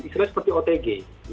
misalnya seperti otg